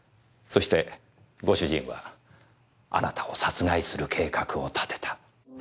そしてご主人はあなたを殺害する計画を立てた。